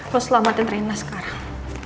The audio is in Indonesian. lo selamatin rina sekarang